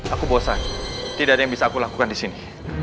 aku bosan tidak ada yang bisa aku lakukan disini